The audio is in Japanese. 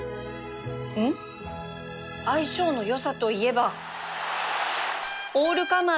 ん？相性の良さといえば